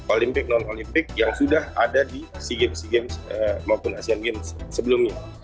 olimpik non olimpik yang sudah ada di sea games sea games maupun asian games sebelumnya